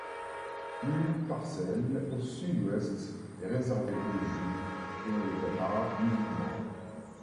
Une parcelle au sud-ouest est réservée aux juifs et aux tatars musulmans.